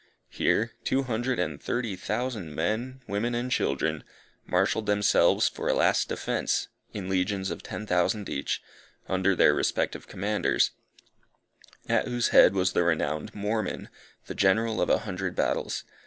Here, two hundred and thirty thousand men, women and children, marshalled themselves for a last defence, in legions of ten thousand each, under their respective commanders, at whose head was the renowned Mormon, the General of a hundred battles.